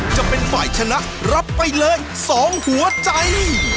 จะเป็นฝ่ายชนะรับไปเลย๒หัวใจ